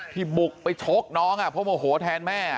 ที่บุกไปชกน้องอ่ะเพราะโอโหแทนแม่